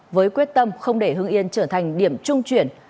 với quyết tâm không để hưng yên trở thành điểm trung chuyển